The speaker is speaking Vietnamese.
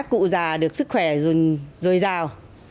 các cụ già được sức khỏe dồi dào